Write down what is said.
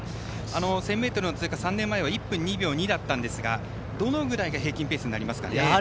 １０００ｍの通過、３年前は１分２秒２だったんですがどのぐらいが平均ペースになりますかね。